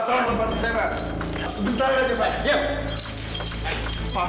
tolong saya mau ketemu julie sebentar